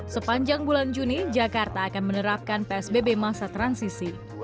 sepanjang bulan juni jakarta akan menerapkan psbb masa transisi